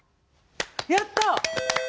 やった！